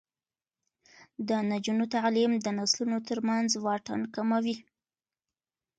د نجونو تعلیم د نسلونو ترمنځ واټن کموي.